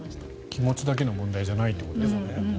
気持ちだけの問題じゃないということですね。